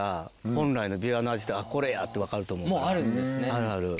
あるある。